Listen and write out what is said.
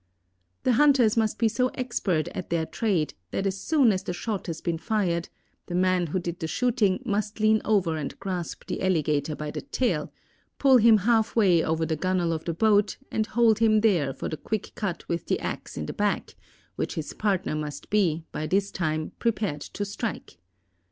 The hunters must be so expert at their trade that as soon as the shot has been fired the man who did the shooting must lean over and grasp the alligator by the tail, pull him half way over the gunnel of the boat and hold him there for the quick cut with the ax in the back, which his partner must be, by this time, prepared to strike.